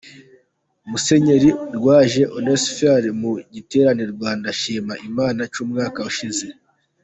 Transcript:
Musenyeri Rwaje Onesphore mu giterane Rwanda Shima Imana cy'umwaka ushize.